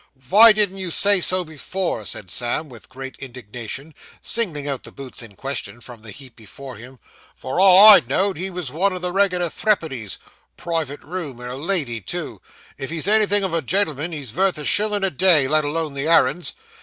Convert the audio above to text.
'Vy didn't you say so before,' said Sam, with great indignation, singling out the boots in question from the heap before him. 'For all I know'd he was one o' the regular threepennies. Private room! and a lady too! If he's anything of a gen'l'm'n, he's vurth a shillin' a day, let alone the arrands.